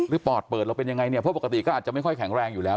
ปอดเปิดเราเป็นยังไงเนี่ยเพราะปกติก็อาจจะไม่ค่อยแข็งแรงอยู่แล้ว